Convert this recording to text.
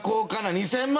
２０００万！